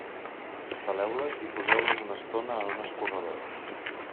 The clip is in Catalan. Saleu-les i poseu-les una estona en una escorredora.